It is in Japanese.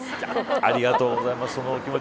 ありがとうございます。